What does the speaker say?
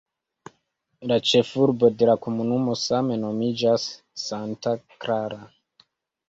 La ĉefurbo de la komunumo same nomiĝas "Santa Clara".